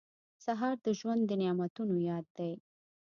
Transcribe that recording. سهار د ژوند د نعمتونو یاد دی.